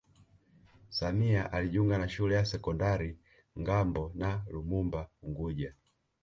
Samia alijiunga na shule ya sekondari Ngambo na Lumumba unguja